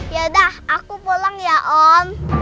yaudah aku pulang ya om